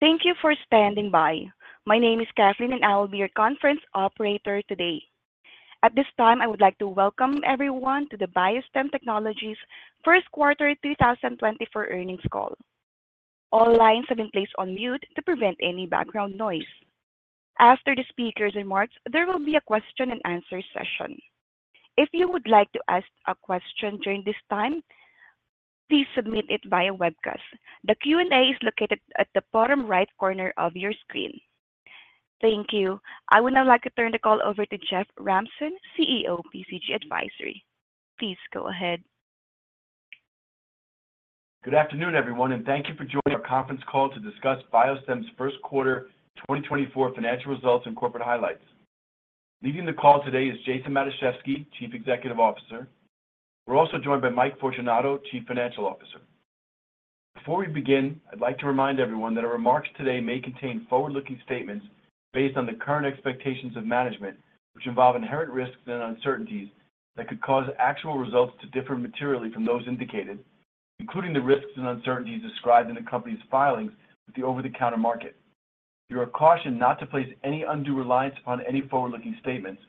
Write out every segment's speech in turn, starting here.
Thank you for standing by. My name is Catherine, and I will be your conference operator today. At this time, I would like to welcome everyone to the BioStem Technologies' Q1 2024 earnings call. All lines have been placed on mute to prevent any background noise. After the speaker's remarks, there will be a question-and-answer session. If you would like to ask a question during this time, please submit it via webcast. The Q&A is located at the bottom right corner of your screen. Thank you. I would now like to turn the call over to Jeff Ramson, CEO, PCG Advisory. Please go ahead. Good afternoon, everyone, and thank you for joining our conference call to discuss BioStem's Q1 2024 Financial Results and Corporate Highlights. Leading the call today is Jason Matuszewski, Chief Executive Officer. We're also joined by Mike Fortunato, Chief Financial Officer. Before we begin, I'd like to remind everyone that our remarks today may contain forward-looking statements based on the current expectations of management, which involve inherent risks and uncertainties that could cause actual results to differ materially from those indicated, including the risks and uncertainties described in the company's filings with the over-the-counter market. You are cautioned not to place any undue reliance upon any forward-looking statements,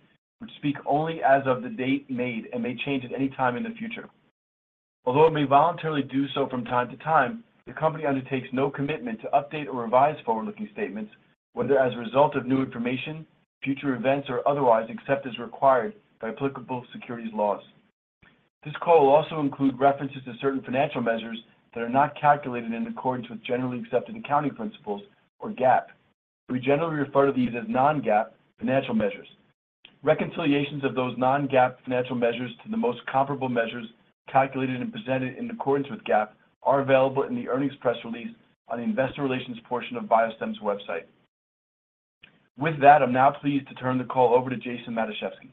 which speak only as of the date made and may change at any time in the future. Although it may voluntarily do so from time to time, the company undertakes no commitment to update or revise forward-looking statements, whether as a result of new information, future events, or otherwise, except as required by applicable securities laws. This call will also include references to certain financial measures that are not calculated in accordance with Generally Accepted Accounting Principles or GAAP. We generally refer to these as non-GAAP financial measures. Reconciliations of those non-GAAP financial measures to the most comparable measures calculated and presented in accordance with GAAP are available in the earnings press release on the investor relations portion of BioStem's website. With that, I'm now pleased to turn the call over to Jason Matuszewski.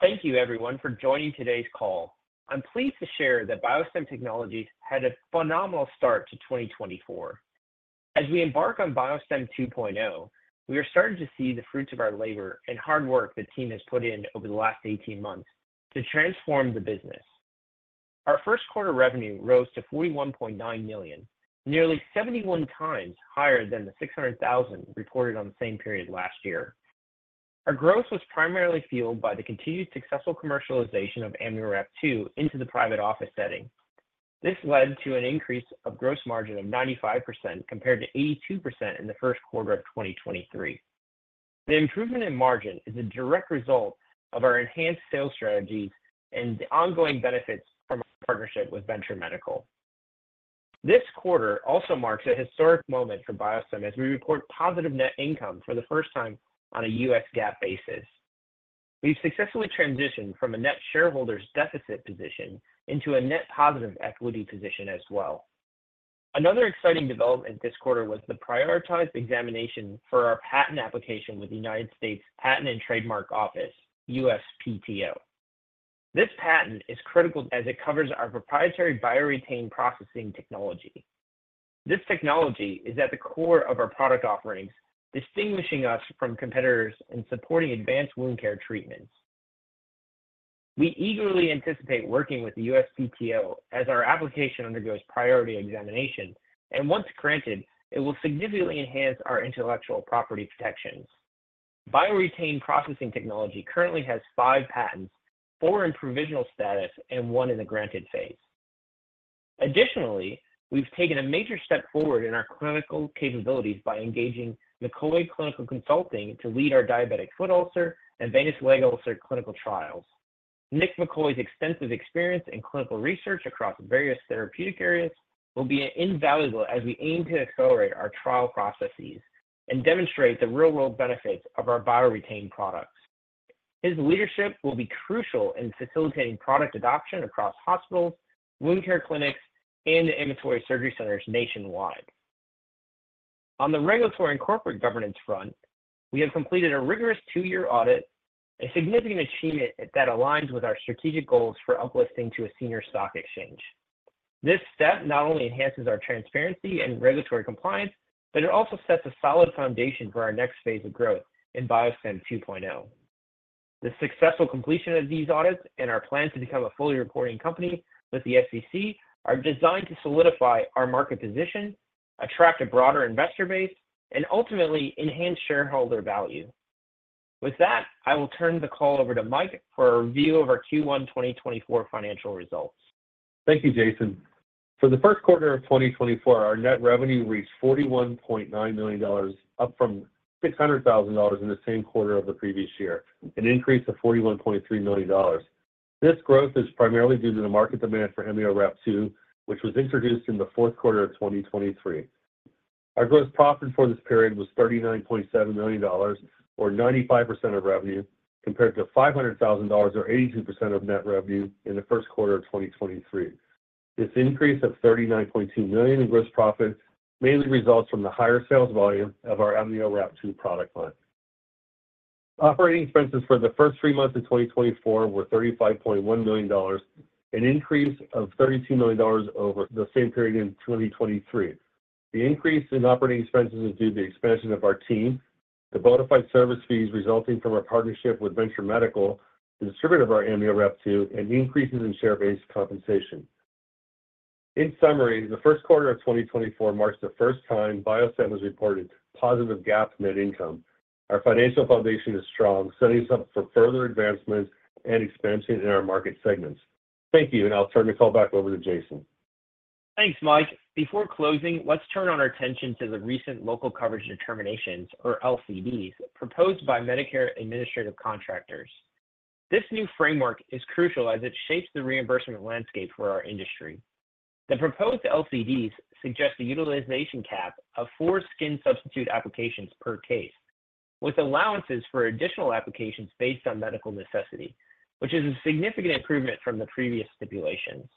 Thank you, everyone, for joining today's call. I'm pleased to share that BioStem Technologies had a phenomenal start to 2024. As we embark on BioStem 2.0, we are starting to see the fruits of our labor and hard work the team has put in over the last eighteen months to transform the business. Our Q1 revenue rose to $41.9 million, nearly 71 times higher than the $600,000 reported on the same period last year. Our growth was primarily fueled by the continued successful commercialization of AmnioWrap2 into the private office setting. This led to an increase of gross margin of 95%, compared to 82% in the Q1 of 2023. The improvement in margin is a direct result of our enhanced sales strategy and the ongoing benefits from our partnership with Venture Medical. This quarter also marks a historic moment for BioStem as we report positive net income for the first time on a U.S. GAAP basis. We've successfully transitioned from a net shareholder's deficit position into a net positive equity position as well. Another exciting development this quarter was the prioritized examination for our patent application with the United States Patent and Trademark Office, USPTO. This patent is critical as it covers our proprietary BioREtain processing technology. This technology is at the core of our product offerings, distinguishing us from competitors and supporting advanced wound care treatments. We eagerly anticipate working with the USPTO as our application undergoes priority examination, and once granted, it will significantly enhance our intellectual property protections. BioREtain processing technology currently has five patents, four in provisional status and one in the granted phase. Additionally, we've taken a major step forward in our clinical capabilities by engaging McCoy Clinical Consulting to lead our diabetic foot ulcer and venous leg ulcer clinical trials. Nick McCoy's extensive experience in clinical research across various therapeutic areas will be invaluable as we aim to accelerate our trial processes and demonstrate the real-world benefits of our BioREtain products. His leadership will be crucial in facilitating product adoption across hospitals, wound care clinics, and ambulatory surgery centers nationwide. On the regulatory and corporate governance front, we have completed a rigorous two-year audit, a significant achievement that aligns with our strategic goals for up-listing to a senior stock exchange. This step not only enhances our transparency and regulatory compliance, but it also sets a solid foundation for our next phase of growth in BioStem 2.0. The successful completion of these audits and our plan to become a fully reporting company with the SEC are designed to solidify our market position, attract a broader investor base, and ultimately enhance shareholder value. With that, I will turn the call over to Mike for a review of our Q1 2024 financial results. Thank you, Jason. For the Q1 of 2024, our net revenue reached $41.9 million, up from $600,000 in the same quarter of the previous year, an increase of $41.3 million. This growth is primarily due to the market demand for AmnioWrap2, which was introduced in the Q4 of 2023. Our gross profit for this period was $39.7 million, or 95% of revenue, compared to $500,000 or 82% of net revenue in the Q1 of 2023. This increase of $39.2 million in gross profit mainly results from the higher sales volume of our AmnioWrap2 product line. Operating expenses for the first three months of 2024 were $35.1 million, an increase of $32 million over the same period in 2023. The increase in operating expenses is due to the expansion of our team, the bona fide service fees resulting from our partnership with Venture Medical, the distributor of our AmnioWrap2, and increases in share-based compensation. In summary, the Q1 of 2024 marks the first time BioStem has reported positive GAAP net income. Our financial foundation is strong, setting us up for further advancements and expansion in our market segments. Thank you, and I'll turn the call back over to Jason. Thanks, Mike. Before closing, let's turn on our attention to the recent local coverage determinations, or LCDs, proposed by Medicare Administrative Contractors. This new framework is crucial as it shapes the reimbursement landscape for our industry. The proposed LCDs suggest a utilization cap of 4 skin substitute applications per case, with allowances for additional applications based on medical necessity, which is a significant improvement from the previous stipulations.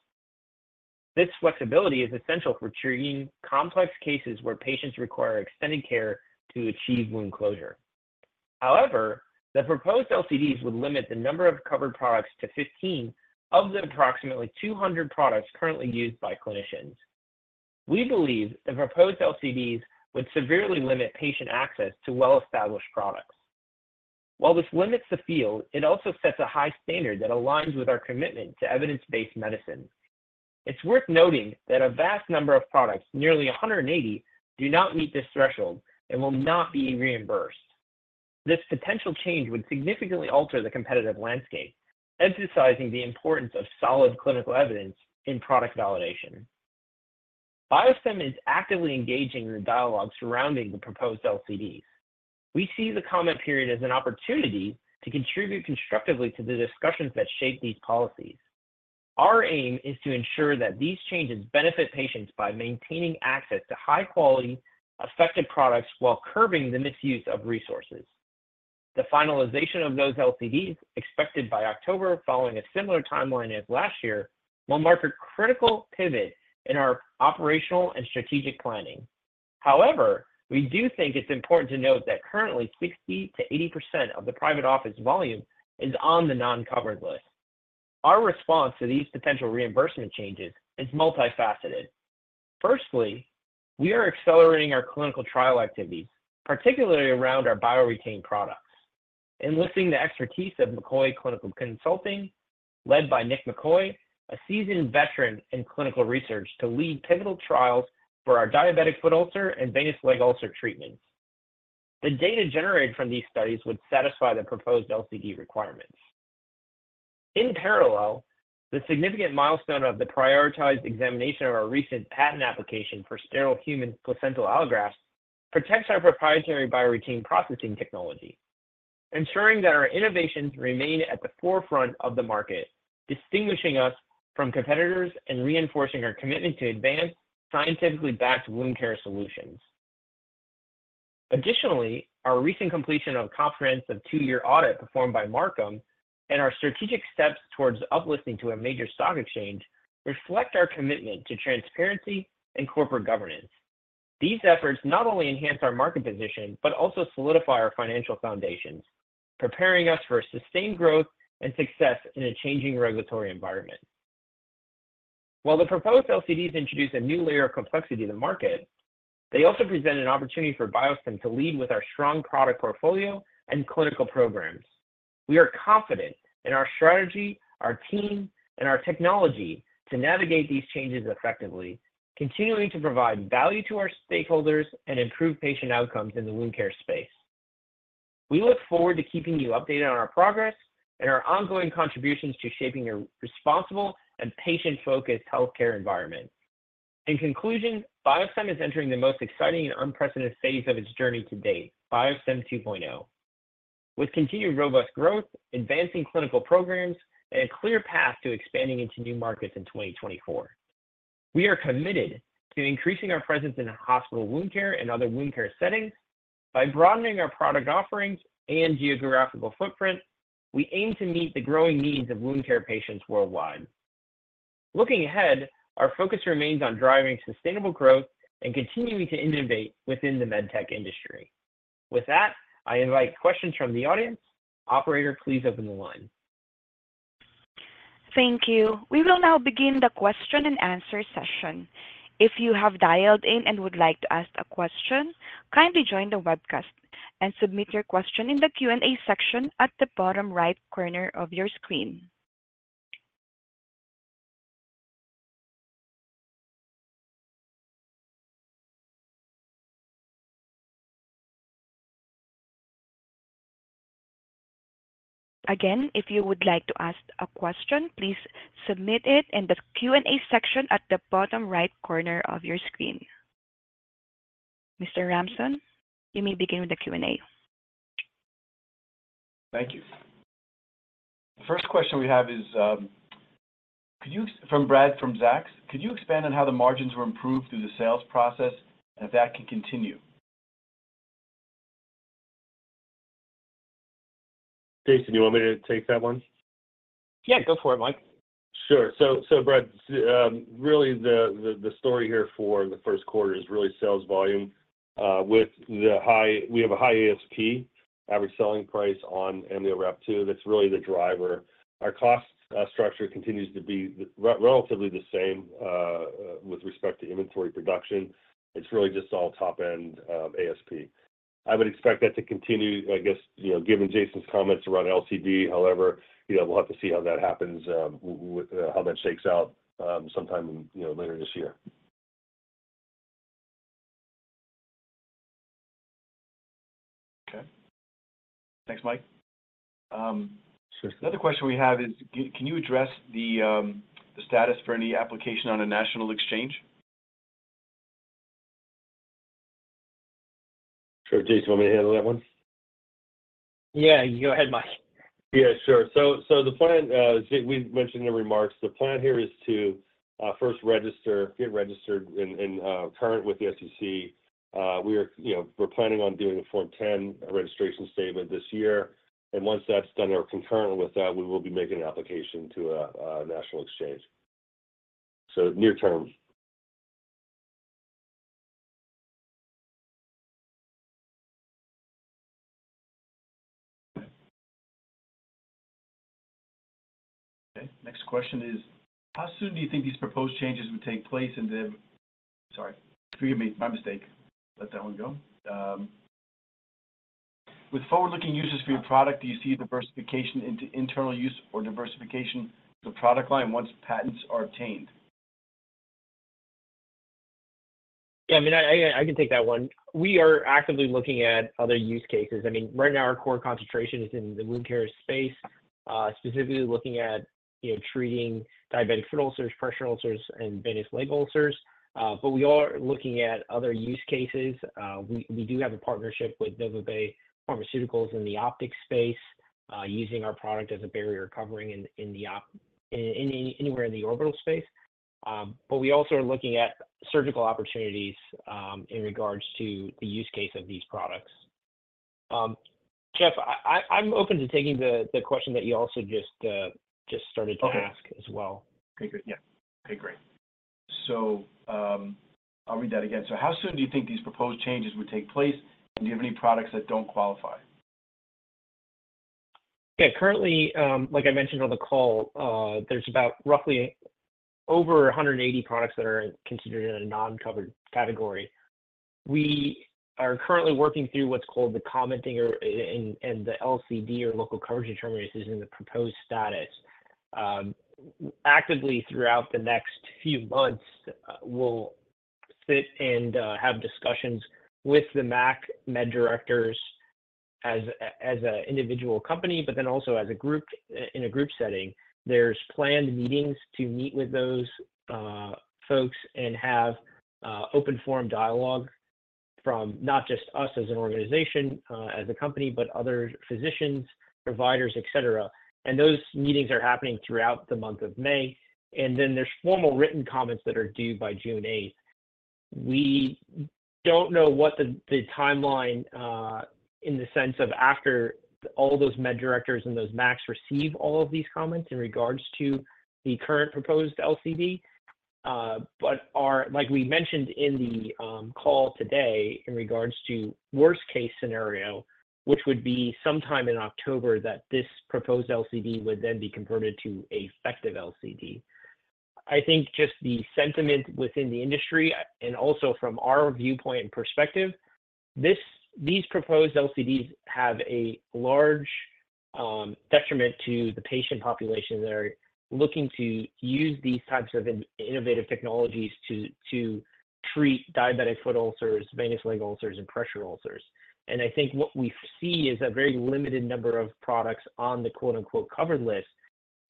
This flexibility is essential for treating complex cases where patients require extended care to achieve wound closure. However, the proposed LCDs would limit the number of covered products to 15 of the approximately 200 products currently used by clinicians. We believe the proposed LCDs would severely limit patient access to well-established products. While this limits the field, it also sets a high standard that aligns with our commitment to evidence-based medicine. It's worth noting that a vast number of products, nearly 180, do not meet this threshold and will not be reimbursed. This potential change would significantly alter the competitive landscape, emphasizing the importance of solid clinical evidence in product validation. BioStem is actively engaging in the dialogue surrounding the proposed LCDs. We see the comment period as an opportunity to contribute constructively to the discussions that shape these policies. Our aim is to ensure that these changes benefit patients by maintaining access to high-quality, effective products while curbing the misuse of resources. The finalization of those LCDs, expected by October, following a similar timeline as last year, will mark a critical pivot in our operational and strategic planning. However, we do think it's important to note that currently, 60%-80% of the private office volume is on the non-covered list. Our response to these potential reimbursement changes is multifaceted. Firstly, we are accelerating our clinical trial activities, particularly around our BioREtain products, enlisting the expertise of McCoy Clinical Consulting, led by Nick McCoy, a seasoned veteran in clinical research, to lead pivotal trials for our diabetic foot ulcer and venous leg ulcer treatments. The data generated from these studies would satisfy the proposed LCD requirements. In parallel, the significant milestone of the prioritized examination of our recent patent application for sterile human placental allografts protects our proprietary BioREtain processing technology, ensuring that our innovations remain at the forefront of the market, distinguishing us from competitors and reinforcing our commitment to advanced, scientifically backed wound care solutions. Additionally, our recent completion of a comprehensive two-year audit performed by Marcum and our strategic steps towards uplisting to a major stock exchange reflect our commitment to transparency and corporate governance. These efforts not only enhance our market position, but also solidify our financial foundations, preparing us for a sustained growth and success in a changing regulatory environment. While the proposed LCDs introduce a new layer of complexity to the market, they also present an opportunity for BioStem to lead with our strong product portfolio and clinical programs. We are confident in our strategy, our team, and our technology to navigate these changes effectively, continuing to provide value to our stakeholders and improve patient outcomes in the wound care space. We look forward to keeping you updated on our progress and our ongoing contributions to shaping a responsible and patient-focused healthcare environment. In conclusion, BioStem is entering the most exciting and unprecedented phase of its journey to date, BioStem 2.0, with continued robust growth, advancing clinical programs, and a clear path to expanding into new markets in 2024. We are committed to increasing our presence in hospital wound care and other wound care settings. By broadening our product offerings and geographical footprint, we aim to meet the growing needs of wound care patients worldwide. Looking ahead, our focus remains on driving sustainable growth and continuing to innovate within the MedTech industry. With that, I invite questions from the audience. Operator, please open the line. Thank you. We will now begin the question-and-answer session. If you have dialed in and would like to ask a question, kindly join the webcast and submit your question in the Q&A section at the bottom right corner of your screen. Again, if you would like to ask a question, please submit it in the Q&A section at the bottom right corner of your screen. Mr. Ramson, you may begin with the Q&A. Thank you. The first question we have is from Brad from Zacks: Could you expand on how the margins were improved through the sales process and if that can continue? Jason, do you want me to take that one? Yeah, go for it, Mike. Sure. So Brad, really the story here for the Q1 is really sales volume. With the high we have a high ASP, average selling price, on AmnioWrap2. That's really the driver. Our cost structure continues to be relatively the same with respect to inventory production, it's really just all top-end ASP. I would expect that to continue, I guess, you know, given Jason's comments around LCD. However, you know, we'll have to see how that happens, how that shakes out, sometime in, you know, later this year. Okay. Thanks, Mike. Sure. Another question we have is: Can you address the status for any application on a national exchange? Sure. Jason, you want me to handle that one? Yeah, you go ahead, Mike. Yeah, sure. So the plan we mentioned in the remarks, the plan here is to first register-—get registered and current with the SEC. We are, you know, we're planning on doing a Form-10, a registration statement this year, and once that's done or concurrent with that, we will be making an application to a national exchange. So near term. Okay, next question is: How soon do you think these proposed changes would take place? And then—sorry, forgive me. My mistake. Let that one go. With forward-looking uses for your product, do you see diversification into internal use or diversification the product line once patents are obtained? Yeah, I mean, I can take that one. We are actively looking at other use cases. I mean, right now our core concentration is in the wound care space, specifically looking at, you know, treating diabetic foot ulcers, pressure ulcers, and venous leg ulcers. But we are looking at other use cases. We do have a partnership with NovaBay Pharmaceuticals in the optical space, using our product as a barrier covering anywhere in the orbital space. But we also are looking at surgical opportunities in regards to the use case of these products. Jeff, I'm open to taking the question that you also just started to ask— Okay. —as well. Okay, good. Yeah. Okay, great. So, I'll read that again: So how soon do you think these proposed changes would take place, and do you have any products that don't qualify? Yeah, currently, like I mentioned on the call, there's about roughly over 180 products that are considered in a non-covered category. We are currently working through what's called the comment period and the LCD, or local coverage determination, in the proposed status. Actively throughout the next few months, we'll sit and have discussions with the MAC med directors as an individual company, but then also as a group, in a group setting. There's planned meetings to meet with those folks and have open forum dialogue from not just us as an organization, as a company, but other physicians, providers, et cetera. And those meetings are happening throughout the month of May, and then there's formal written comments that are due by June 8th. We don't know what the timeline in the sense of after all those med directors and those MACs receive all of these comments in regards to the current proposed LCD. But like we mentioned in the call today in regards to worst-case scenario, which would be sometime in October, that this proposed LCD would then be converted to an effective LCD. I think just the sentiment within the industry and also from our viewpoint and perspective, these proposed LCDs have a large detriment to the patient population that are looking to use these types of innovative technologies to treat diabetic foot ulcers, venous leg ulcers, and pressure ulcers. And I think what we see is a very limited number of products on the "covered list."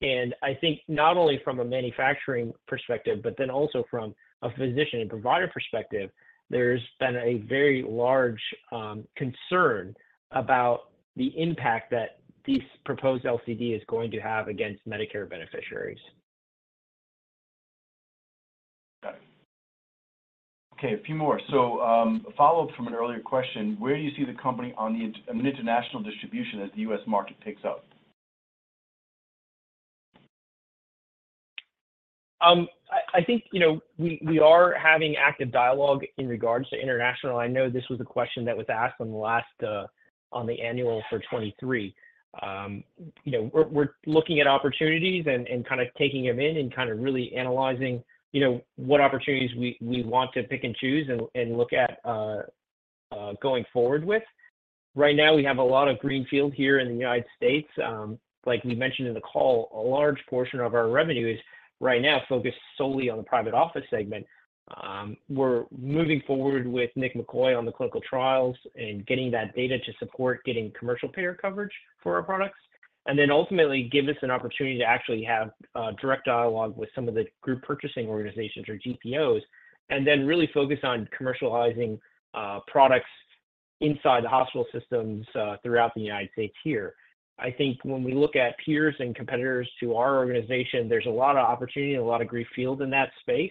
And I think not only from a manufacturing perspective, but then also from a physician and provider perspective, there's been a very large, concern about the impact that this proposed LCD is going to have against Medicare beneficiaries. Got it. Okay, a few more. So, a follow-up from an earlier question: where do you see the company on the international distribution as the U.S. market picks up? I think, you know, we are having active dialogue in regards to international. I know this was a question that was asked on the last, on the annual for 2023. You know, we're looking at opportunities and kind of taking them in, and kind of really analyzing, you know, what opportunities we want to pick and choose and look at going forward with. Right now, we have a lot of greenfield here in the United States. Like we mentioned in the call, a large portion of our revenue is right now focused solely on the private office segment. We're moving forward with Nick McCoy on the clinical trials and getting that data to support getting commercial payer coverage for our products, and then ultimately give us an opportunity to actually have direct dialogue with some of the group purchasing organizations or GPOs, and then really focus on commercializing products inside the hospital systems throughout the United States here. I think when we look at peers and competitors to our organization, there's a lot of opportunity and a lot of greenfield in that space.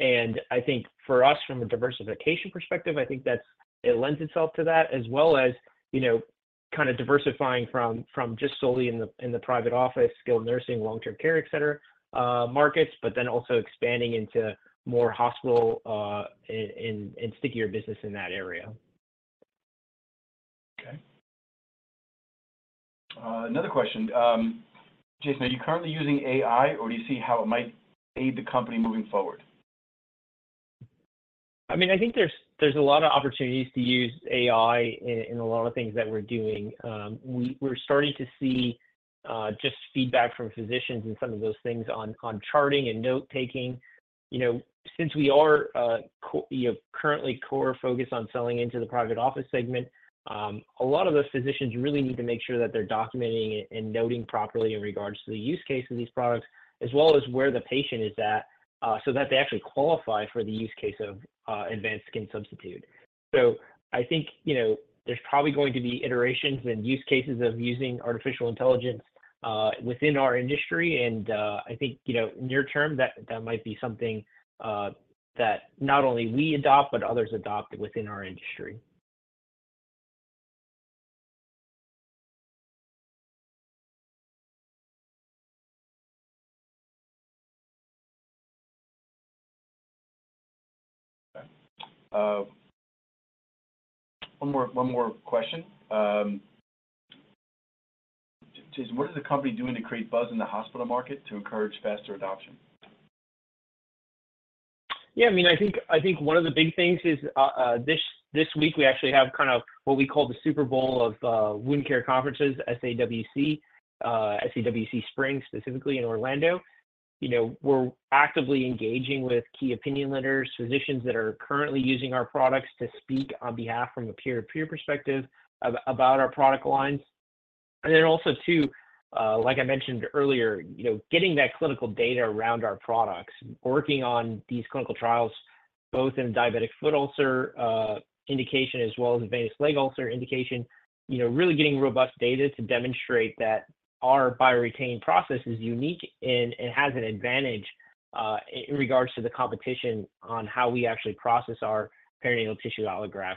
And I think for us, from a diversification perspective, I think that's it lends itself to that, as well as, you know, kind of diversifying from just solely in the private office, skilled nursing, long-term care, et cetera, markets, but then also expanding into more hospital and stickier business in that area. Another question. Jason, are you currently using AI, or do you see how it might aid the company moving forward? I mean, I think there's a lot of opportunities to use AI in a lot of things that we're doing. We're starting to see just feedback from physicians and some of those things on charting and note-taking. You know, since we are currently core focused on selling into the private office segment, a lot of those physicians really need to make sure that they're documenting and noting properly in regards to the use case of these products, as well as where the patient is at, so that they actually qualify for the use case of advanced skin substitute. So, I think, you know, there's probably going to be iterations and use cases of using artificial intelligence within our industry, and I think, you know, near term, that might be something that not only we adopt, but others adopt within our industry. Okay. One more, one more question. Jason, what is the company doing to create buzz in the hospital market to encourage faster adoption? Yeah, I mean, I think, I think one of the big things is, this, this week, we actually have kind of what we call the Super Bowl of Wound Cares, SAWC, SAWC Spring, specifically in Orlando. You know, we're actively engaging with key opinion leaders, physicians that are currently using our products to speak on behalf from a peer-to-peer perspective about our product lines. And then also, too, like I mentioned earlier, you know, getting that clinical data around our products, working on these clinical trials, both in diabetic foot ulcer indication, as well as venous leg ulcer indication, you know, really getting robust data to demonstrate that our BioREtain process is unique and, and has an advantage, in regards to the competition on how we actually process our perinatal tissue allografts.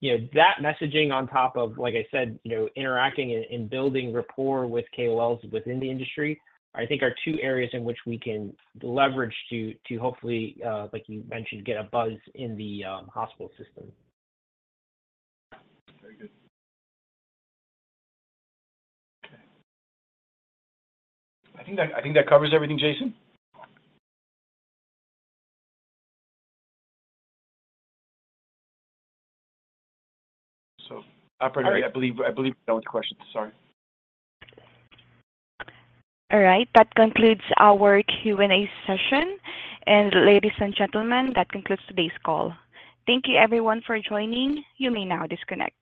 You know, that messaging on top of, like I said, you know, interacting and building rapport with KOLs within the industry, I think are two areas in which we can leverage to, to hopefully, like you mentioned, get a buzz in the hospital system. Very good. Okay. I think that, I think that covers everything, Jason? So, operator, I believe, I believe that was the question. Sorry. All right. That concludes our Q&A session. Ladies and gentlemen, that concludes today's call. Thank you, everyone for joining. You may now disconnect.